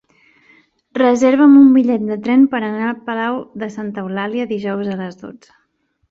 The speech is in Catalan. Reserva'm un bitllet de tren per anar a Palau de Santa Eulàlia dijous a les dotze.